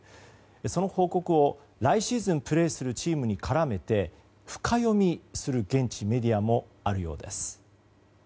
その報告を来シーズンプレーするチームに絡めて深読みする現地メディアもあるようです。